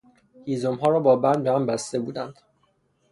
هیزمها را با بند به هم بسته بودند.